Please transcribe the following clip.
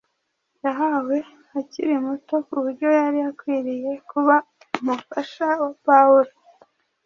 yahawe akiri muto ku buryo yari akwiriye kuba umufasha wa Pawulo.